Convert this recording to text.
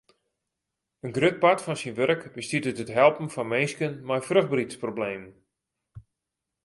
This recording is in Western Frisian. In grut part fan syn wurk bestiet út it helpen fan minsken mei fruchtberheidsproblemen.